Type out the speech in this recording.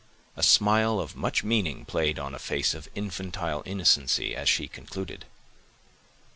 A smile of much meaning played on a face of infantile innocency, as she concluded.